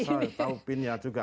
asal tahu pin nya juga